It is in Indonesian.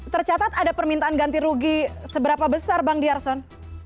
tercatat ada permintaan ganti rugi seberapa besar bang d'arson